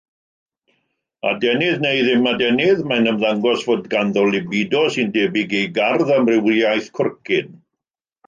Adenydd neu ddim adenydd, mae'n ymddangos fod ganddo libido sy'n debyg i gardd-amrywiaeth cwrcyn.